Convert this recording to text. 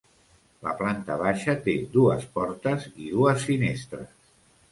La planta baixa té dues portes i dues finestres.